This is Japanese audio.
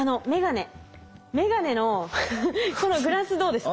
めがねのこのグラスどうですか？